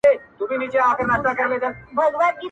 مخ په اوو پوښو کي پټ کړه گراني شپه ماتېږي_